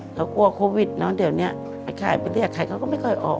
เขากลัวโควิดนะเดี๋ยวนี้ไปเรียกขายก็ไม่ค่อยออก